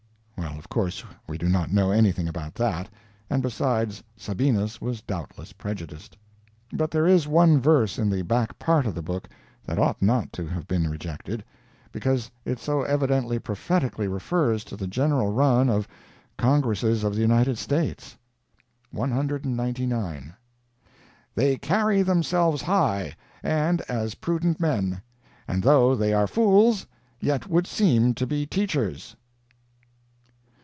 Well, of course we do not know anything about that, and besides, Sabinus was doubtless prejudiced. But there is one verse in the back part of the book that ought not to have been rejected, because it so evidently prophetically refers to the general run of Congresses of the United States: "199. They carry themselves high, and as prudent men; and though they are fools, yet would seem to be teachers."